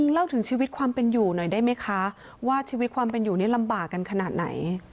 เล่าถึงชีวิตความเป็นอยู่หน่อยได้ไหมคะว่าชีวิตความเป็นอยู่นี่ลำบากกันขนาดไหน